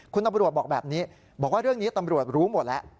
คุณตำรวจบอกแบบนี้บอกว่าเรื่องนี้ตำรวจรู้หมดแล้ว